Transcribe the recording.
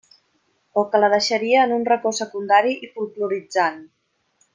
O que la deixaria en un racó secundari i folkloritzant.